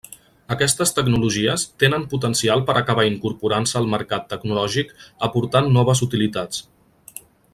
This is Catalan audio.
Aquestes tecnologies tenen potencial per acabar incorporant-se al mercat tecnològic, aportant noves utilitats.